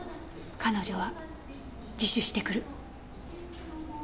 彼女は自首してくる。